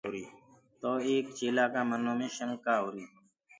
تو ايڪ چيلهآ ڪآ منو مي شکآ هُوآري۔